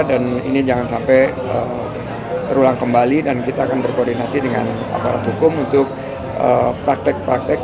dan ini jangan sampai terulang kembali dan kita akan berkoordinasi dengan aparat hukum untuk praktek praktek